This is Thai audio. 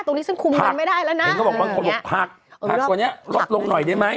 ตรงนี้ซึ่งคุมมันไม่ได้แล้วนะผักตัวนี้ลดลงหน่อยได้ไหม